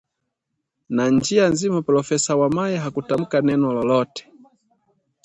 Na njia nzima Profesa Wamai hakutamka neno lolote